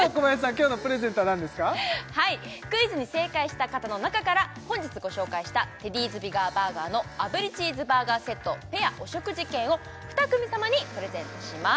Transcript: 今日のプレゼントは何ですかクイズに正解した方の中から本日ご紹介したテディーズビガーバーガーの炙りチーズバーガーセットペアお食事券を２組様にプレゼントします